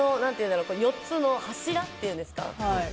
４つの柱というんですか？